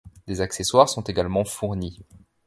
Des accessoires sont également fournis.